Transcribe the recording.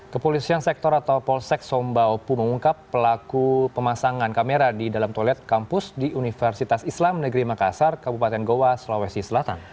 kepolisian sektor atau polsek somba opu mengungkap pelaku pemasangan kamera di dalam toilet kampus di universitas islam negeri makassar kabupaten goa sulawesi selatan